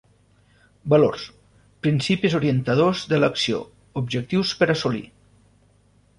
Valors: principis orientadors de l'acció, objectius per assolir.